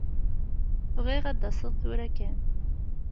Bɣiɣ ad d-taseḍ tura kan.